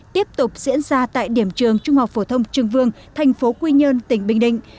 tiếp tục diễn ra tại điểm trường trung học phổ thông trường vương thành phố quy nhơn tỉnh bình định